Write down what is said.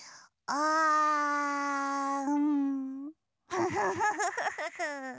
フフフフフフ。